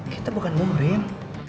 kita bukan muhrim